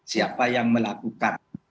siapa yang melakukan